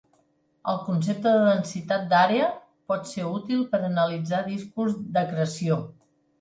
El concepte de densitat d'àrea pot ser útil per analitzar discos d'acreció.